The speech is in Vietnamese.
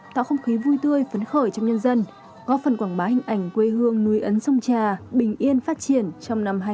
tạo không khí vui tươi phấn khởi trong nhân dân góp phần quảng bá hình ảnh quê hương núi ấn sông trà bình yên phát triển trong năm hai nghìn hai mươi